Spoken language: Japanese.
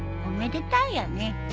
おめでたいよね。